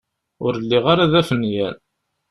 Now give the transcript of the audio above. Ur lliɣ ara d afenyan.